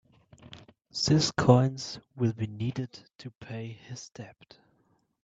These coins will be needed to pay his debt.